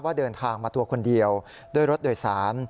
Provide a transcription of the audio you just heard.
เดินทางมาตัวคนเดียวด้วยรถโดยสาร